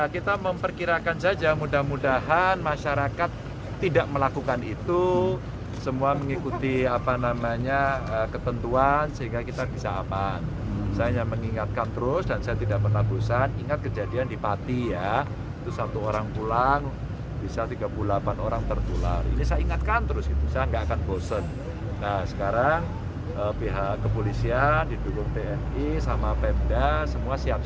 kepolisian didukung tni sama pemda semua siap siap